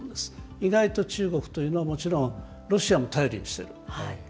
意外と中国というのは、もちろん、ロシアも頼りにしている。